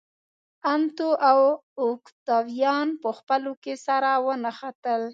انتو او اوکتاویان په خپلو کې سره ونښتل.